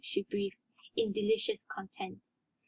she breathed, in delicious content.